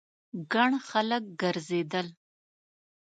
ګڼ خلک ګرځېدل.